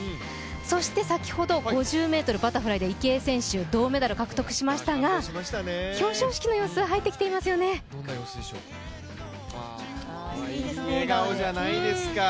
そして先ほど５０ｍバタフライで池江選手が銅メダルを獲得しましたが表彰式の様子、入ってきていますねいい笑顔じゃないですか。